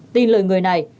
tin lời người này